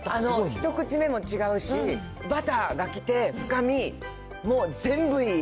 一口目も違うし、バターがきて、深み、もう全部いい。